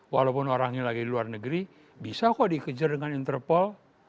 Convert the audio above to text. walaupun orangnya lagi di luar negeri bisa kok dikejar dengan interpol